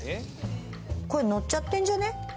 これ載っちゃってんじゃね。